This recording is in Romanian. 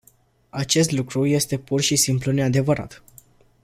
Acest lucru este pur și simplu neadevărat.